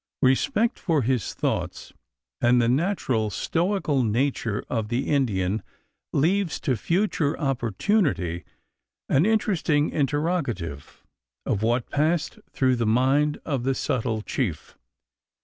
Respect for his thoughts and the natural stoical nature of the Indian leaves to future opportunity an interesting interrogative of what passed through the mind of the subtle chief.